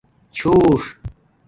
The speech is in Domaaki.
چھوݽ